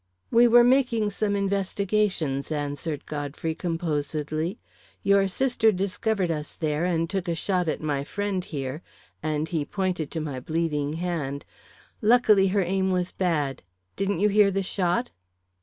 "We were making some investigations," answered Godfrey composedly. "Your sister discovered us there and took a shot at my friend here," and he pointed to my bleeding hand. "Luckily her aim was bad. Didn't you hear the shot?"